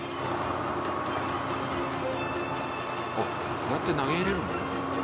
こうやって投げ入れるの？